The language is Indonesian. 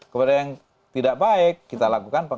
kepada yang tidak baik kita akan dorong